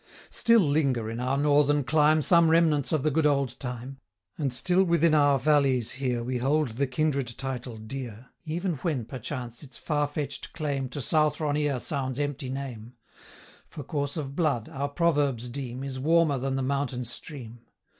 85 Still linger, in our northern clime, Some remnants of the good old time; And still, within our valleys here, We hold the kindred title dear, Even when, perchance, its far fetch'd claim 90 To Southron ear sounds empty name; For course of blood, our proverbs deem, Is warmer than the mountain stream.